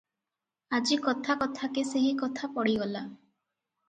ଆଜି କଥା କଥାକେ ସେହି କଥା ପଡ଼ିଗଲା ।